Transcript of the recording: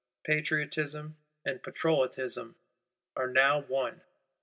_ Patriotism and Patrollotism are now one!